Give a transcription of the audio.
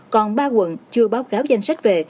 còn ba quận chưa báo cáo danh sách về